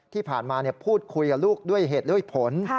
ที่ผ่านมาพูดคุยกับลูกด้วยเหตุด้วยผล